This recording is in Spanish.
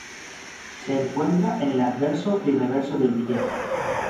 Se encuentra en el adverso y reverso del billete.